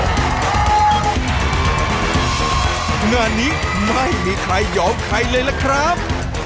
งานนี้ไม่มีใครยอมใครเลยล่ะครับ